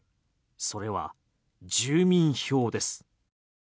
それは住民票です。